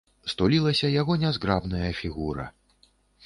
Сутулілася яго нязграбная фігура.